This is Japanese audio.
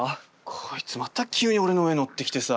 こいつまた急に俺の上乗ってきてさ。